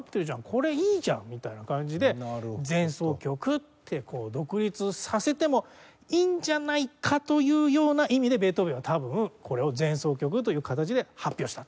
これいいじゃん！みたいな感じで前奏曲ってこう独立させてもいいんじゃないかというような意味でベートーヴェンは多分これを前奏曲という形で発表した。